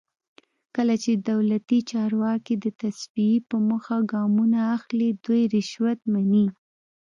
کله چې دولتي چارواکي د تصفیې په موخه ګامونه اخلي دوی رشوت مني.